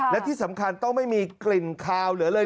และที่สำคัญต้องไม่มีกลิ่นคาวเหลือเลย